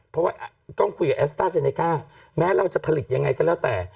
เพราะว่าต้องคุยกับแอสต้าเซเนก้าแม้เราจะผลิตยังไงก็แล้วแต่